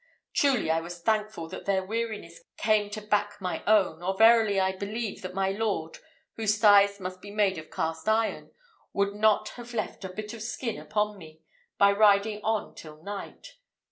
Truly, I was thankful that their weariness came to back my own, or verily, I believe, that my lord, whose thighs must be made of cast iron, would not have left a bit of skin upon me, by riding on till night.